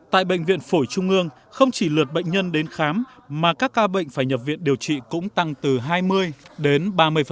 tại bệnh viện phổi trung ương không chỉ lượt bệnh nhân đến khám mà các ca bệnh phải nhập viện điều trị cũng tăng từ hai mươi đến ba mươi